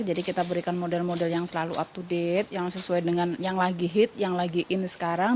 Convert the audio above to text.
jadi kita berikan model model yang selalu up to date yang sesuai dengan yang lagi hit yang lagi in sekarang